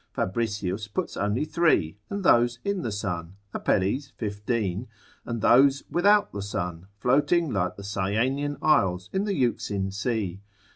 Fabricius puts only three, and those in the sun: Apelles 15, and those without the sun, floating like the Cyanean Isles in the Euxine sea.